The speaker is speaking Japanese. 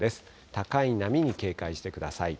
高い波に警戒してください。